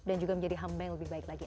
dan juga menjadi hamba yang lebih baik lagi